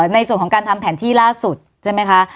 ในส่วนของการทำแผนที่ล่าสุดใช่ไหมคะ